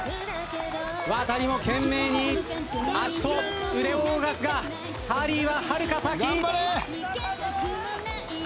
ワタリも懸命に足と腕を動かすがハリーははるか先。